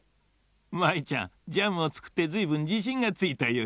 舞ちゃんジャムをつくってずいぶんじしんがついたようじゃな。